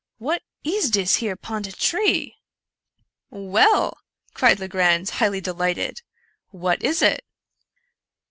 what is dis here pon de tree ?"" Well! " cried Legrand, highly delighted, " what is it?